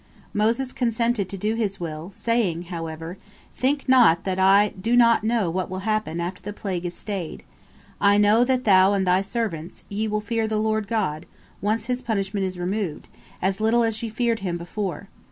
Moses consented to do his will, saying, however: "Think not that I do not know what will happen after the plague is stayed. I know that thou and thy servants, ye will fear the Lord God, once His punishment is removed, as little as ye feared Him before.